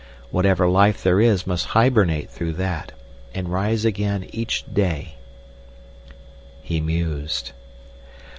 Whatever life there is must hibernate through that, and rise again each day." He mused.